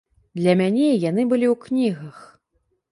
Для мяне яны былі ў кнігах.